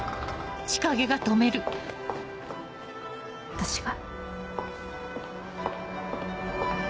私が。